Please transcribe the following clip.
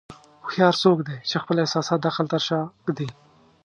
هوښیار څوک دی چې خپل احساسات د عقل تر شا ږدي.